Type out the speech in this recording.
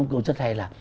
công chất hay là